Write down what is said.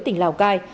tỉnh lào cai